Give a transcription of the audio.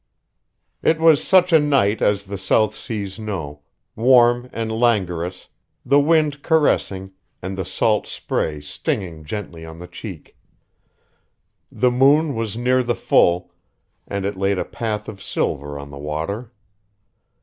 It was such a night as the South Seas know, warm and languorous, the wind caressing, and the salt spray stinging gently on the cheek. The moon was near the full, and it laid a path of silver on the water.